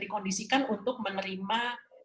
dikondisikan untuk menerima